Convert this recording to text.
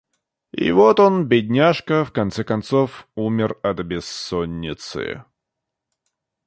И вот он, бедняжка, в конце концов умер от бессоницы.